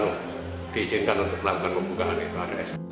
nah diizinkan untuk melakukan pembukaan di bads